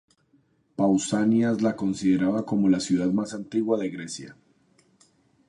Pausanias la consideraba como la ciudad más antigua de Grecia.